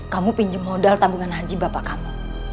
kamu pinjam modal tabungan haji bapak kamu